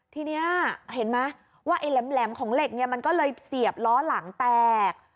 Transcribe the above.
ทีนี้เห็นไหมว่าไอ้แหลมของเหล็กเนี่ยมันก็เลยเสียบล้อหลังแตก